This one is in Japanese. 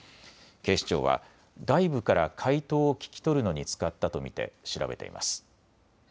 警視庁は外部から解答を聞き取るのに使ったと見て調べています。